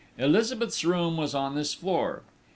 Elizabeth's room was on this floor.